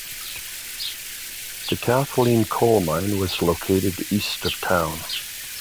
The Kathleen Coal Mine was located east of the town.